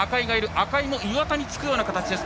赤井も岩田につくような形です。